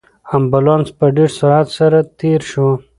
امبولانس په ډېر سرعت سره تېر شو.